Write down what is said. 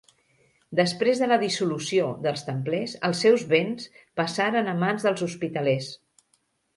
Després de la dissolució dels templers els seus béns passaren a mans dels hospitalers.